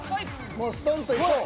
もうストンといこう。